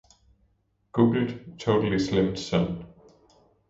Google totally slimed Sun.